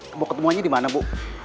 mau ketemu aja dimana bu